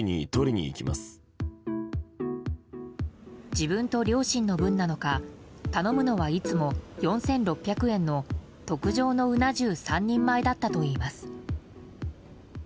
自分と両親の分なのか頼むのはいつも４６００円の特上のうな重３人前だったといいます。